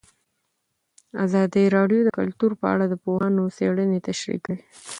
ازادي راډیو د کلتور په اړه د پوهانو څېړنې تشریح کړې.